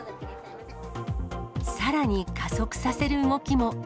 さらに加速させる動きも。